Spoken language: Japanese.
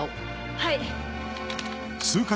はい。